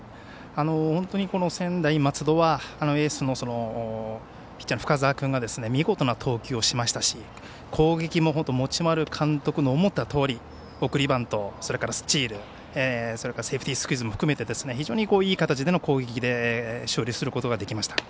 本当に、この専大松戸はエースのピッチャーの深沢君が見事な投球をしましたし攻撃も持丸監督の思ったとおり。送りバント、それからスチールセーフティースクイズも含めて非常にいい形での攻撃で勝利することができました。